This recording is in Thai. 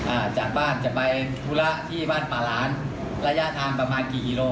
อ่าจากบ้านจะไปธุระที่บ้านป่าล้านระยะทางประมาณกี่กิโล